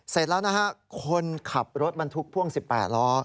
เสร็จแล้วนะฮะคนขับรถบรรทุกพ่วง๑๘ล้อ